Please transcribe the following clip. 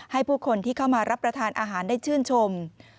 ให้ผู้คนที่เข้ามารับประทานอาหารได้ชื่นชม